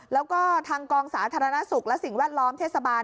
แล้วก็ทางกองสาธารณสุขและสิ่งแวดล้อมเทศบาล